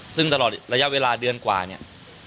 ซึ่งตลอดระยะเวลาเดือนกว่าเนี่ย